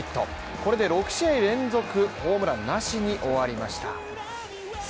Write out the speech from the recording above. これで６試合連続、ホームランなしに終わりました。